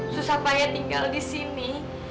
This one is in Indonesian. susah payah tinggal disini